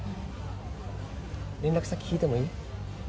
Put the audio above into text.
連絡先聞いてもいい？